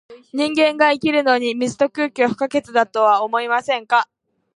人間が生きるのに、水と空気は不可欠だとは思いませんか？